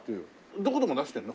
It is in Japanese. どこでも出してるの？